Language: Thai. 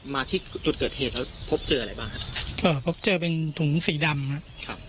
มาที่จุดเกิดเหตุแล้วพบเจออะไรบ้างครับเอ่อพบเจอเป็นถุงสีดำครับ